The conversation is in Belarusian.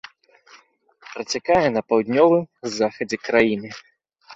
Працякае на паўднёвым захадзе краіны.